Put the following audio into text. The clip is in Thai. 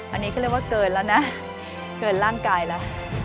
อันนี้ก็เรียกว่าเกินแล้วนะเกินร่างกายแล้ว